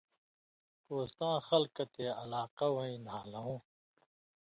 کوستاں خلکہ تے علاقہ وَیں نھالُوں